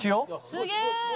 すげえ！